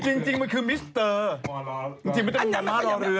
จริงมันคือมิสเตอร์